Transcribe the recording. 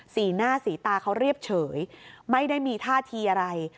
สีหน้าสีตาเขาเรียบเฉยไม่ได้มีท่าทีอะไร